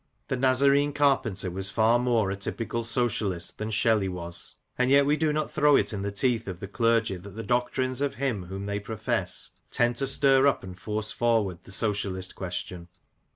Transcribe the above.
The Nazarene carpenter was far more a typical Socialist than Shelley was; and yet we do not throw it in the teeth of the clergy that the doctrines of him whom they profess tend to stir up and force forward the Socialist question.